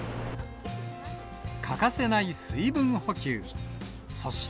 欠かせない水分補給。